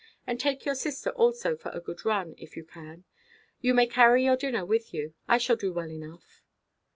And take your sister also for a good run, if you can. You may carry your dinner with you: I shall do well enough."